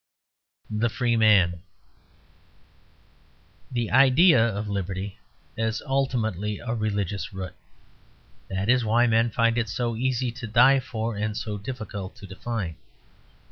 THE FREE MAN The idea of liberty has ultimately a religious root; that is why men find it so easy to die for and so difficult to define.